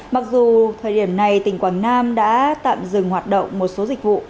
mặc dù thời điểm này tỉnh quảng nam đã tạm dừng hoạt động một số dịch vụ